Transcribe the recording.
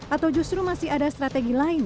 atau justru masih ada strategi lain